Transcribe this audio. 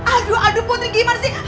aduh aduh putri gimar sih